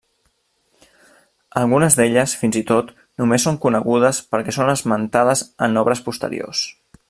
Algunes d'elles, fins i tot, només són conegudes perquè són esmentades en obres posteriors.